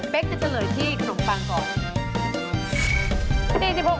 เป๊กจะเจอที่ขนมปังของ